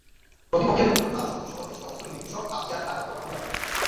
প্রতিপক্ষের লোকজন ঢাল-সড়কিসহ দেশীয় অস্ত্র নিয়ে কৃষক আতিয়ার খাঁর ওপর হামলা চালায়।